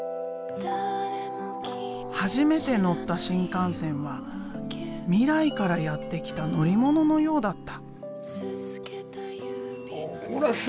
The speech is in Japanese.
初めて乗った新幹線は未来からやって来た乗り物のようだった。